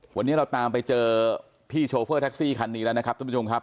วันนี้เราตามไปเจอพี่โชเฟอร์แท็กซี่คันนี้แล้วนะครับท่านผู้ชมครับ